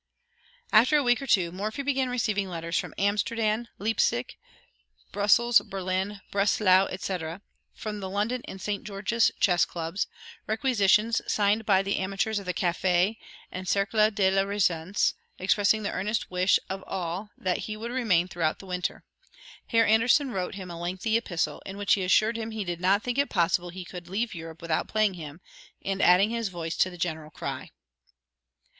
After a week or two, Morphy began receiving letters from Amsterdam, Leipsic, Brussels, Berlin, Breslau, etc.; from the London and St. George's Chess Clubs; requisitions signed by the amateurs of the Café and Cercle de la Régence, expressing the earnest wish of all that he would remain throughout the winter. Herr Anderssen wrote him a lengthy epistle, in which he assured him he did not think it possible he could leave Europe without playing him, and adding his voice to the general cry.